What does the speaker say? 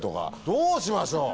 どうしましょう！